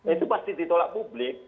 itu pasti ditolak publik